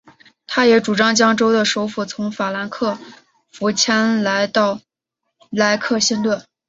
他也主张将州的首府从法兰克福迁到莱克星顿。